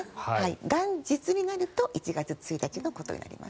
元日になると１月１日のことになります。